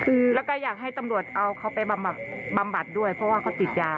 คือแล้วก็อยากให้ตำรวจเอาเขาไปบำบัดด้วยเพราะว่าเขาติดยา